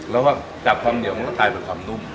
แล้วก็จากความเหนียวมันก็กลายเป็นความนุ่ม